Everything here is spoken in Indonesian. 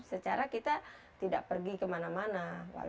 secara kita tidak pergi kemana mana